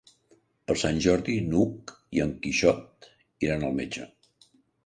Per Sant Jordi n'Hug i en Quixot iran al metge.